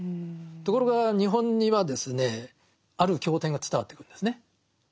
ところが日本にはある経典が伝わってくるんですね。